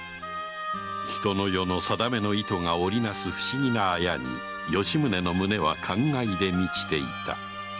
人の世のさだめの糸が織りなす不思議な綾に吉宗の胸は感慨で満ちていた。